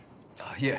いえ。